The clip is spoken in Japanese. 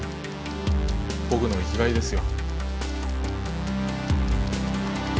僕の生きがいですよ。